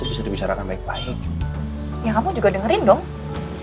bisa dibicarakan baik baik ya kamu juga dengerin dong ya aku denger kan aku udah